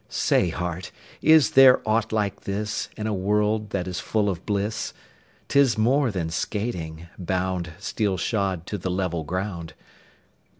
Say, heart, is there aught like this In a world that is full of bliss? 'Tis more than skating, bound 15 Steel shod to the level ground.